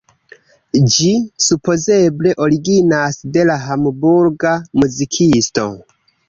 Ĝi supozeble originas de la Hamburga muzikisto.